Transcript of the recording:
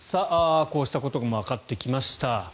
こうしたこともわかってきました。